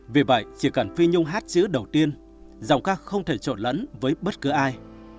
vì vậy chỉ cần phi nhung hát chữ đầu tiên dòng ca không thể trộn lẫn với bất cứ ai